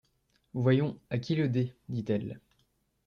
Voyons, à qui le dé? dit-elle.